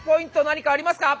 何かありますか？